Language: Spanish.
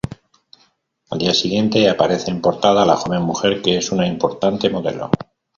Al día siguiente aparece en portada la joven mujer que es una importante modelo.